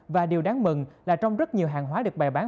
và điều đáng mừng là trong rất nhiều hàng hóa được bày bán